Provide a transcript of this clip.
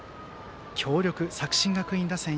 強力、作新学院打線。